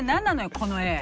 この絵。